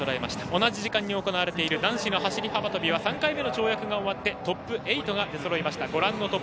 同じ時間に行われている男子の走り幅跳びは３回目の跳躍が終わってトップ８が出そろいました。